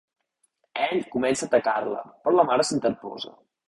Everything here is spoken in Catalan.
Ell comença a atacar-la, però la mare s'interposa.